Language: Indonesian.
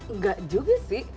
enggak juga sih